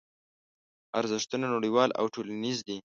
ارزښتونه نړیوال او ټولنیز دي.